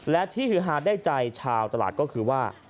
และที่ฮือฮาได้ใจชาวตลาดก็คือว่า